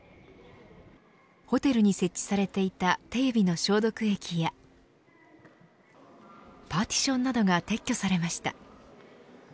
ホテルに設置されていた手指の消毒液やパーティションなどが撤去されました。